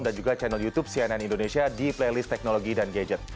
dan juga channel youtube cnn indonesia di playlist teknologi dan gadget